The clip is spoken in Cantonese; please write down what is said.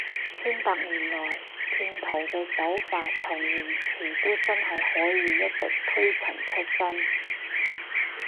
千百年來，騙徒嘅手法同言辭都真係可以一直推陳出新